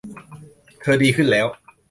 เธอดีขึ้นแล้ว